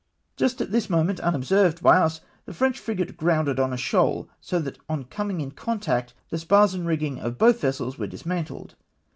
Just at this momeiit, unobserved by us, the French frigate grounded on a shoal, so that on coming in contact, the spars and rigging of both vessels were dismantled.